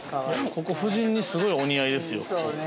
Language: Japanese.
◆ここ、夫人にすごいお似合いですよ。